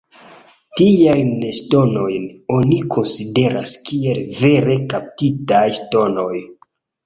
Tiajn ŝtonojn oni konsideras kiel vere kaptitaj ŝtonoj.